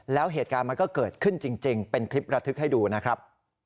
แล้วเหตุการณ์มันก็เกิดขึ้นจริงเป็นคลิประทึกให้ดูนะครับ